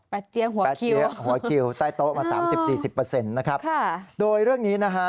ปัดเจี๊ยงหัวคิวใต้โต๊ะมา๓๐๔๐นะครับโดยเรื่องนี้นะฮะ